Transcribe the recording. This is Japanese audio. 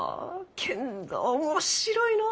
けんど面白いのう！